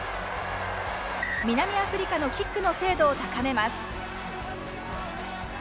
南アフリカのキックの精度を高めます。